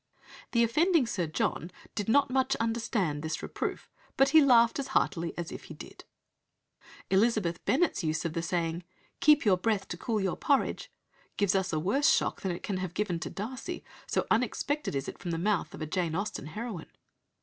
The offending Sir John "did not much understand this reproof," but he "laughed as heartily as if he did." Elizabeth Bennet's use of the saying, "Keep your breath to cool your porridge," gives us a worse shock than it can have given to Darcy, so unexpected is it from the mouth of a Jane Austen heroine.